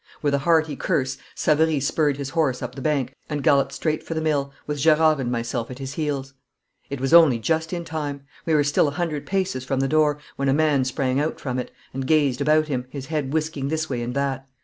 With a hearty curse Savary spurred his horse up the bank and galloped straight for the mill, with Gerard and myself at his heels. It was only just in time. We were still a hundred paces from the door when a man sprang out from it, and gazed about him, his head whisking this way and that.